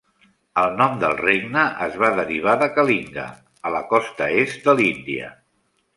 El nom del regne es va derivar de Kalinga, a la costa est de l'Índia.